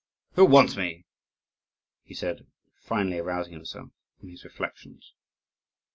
"Who wants me?" he said, finally arousing himself from his reflections.